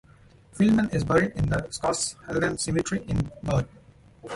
Feldmann is buried in the Schosshalden cemetery in Bern.